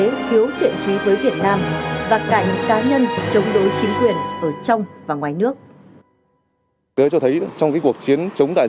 đối phiếu thiện trí với việt nam và cảnh cá nhân chống đối chính quyền ở trong và ngoài nước